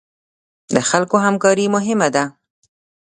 د خلکو همکاري مهمه ده